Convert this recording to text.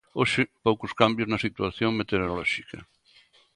Hoxe, poucos cambios na situación meteorolóxica.